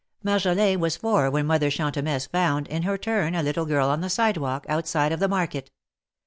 Marjolin was four when Mother Chantemesse found, in her turn, a little girl on the sidewalk, outside of the market.